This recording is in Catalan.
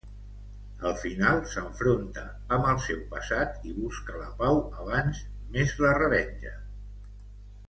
Al final, s'enfronta amb el seu passat i busca la pau abans més la revenja.